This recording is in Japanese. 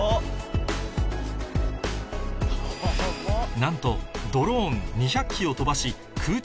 なんとドローン２００機を飛ばし空中